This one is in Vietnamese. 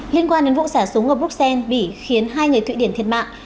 liên quan đến vụ xả súng ở bruxelles bị khiến hai người thụy điển thiệt mạng